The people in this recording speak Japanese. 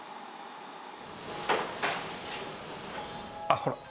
あっほら。